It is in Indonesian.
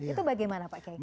itu bagaimana pak kiai